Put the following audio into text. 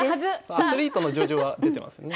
アスリートの叙情は出てますね。